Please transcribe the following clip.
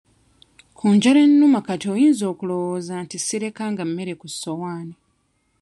Ku njala ennuma kati oyinza okulowooza nti sirekanga mmere ku ssowaani.